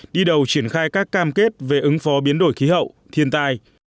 đi đầu triển khai các cam kết về ứng phó biến đổi khí hậu thiên tai